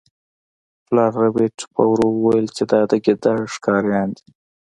پلار ربیټ په ورو وویل چې دا د ګیدړ ښکاریان دي